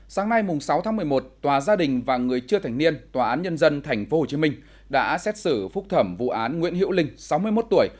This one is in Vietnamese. sáng nay sáu tháng một mươi một tòa gia đình và người chưa thành niên tòa án nhân dân tp hcm đã xét xử phúc thẩm vụ án nguyễn hiệu linh sáu mươi một tuổi